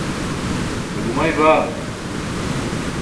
be gumay baa?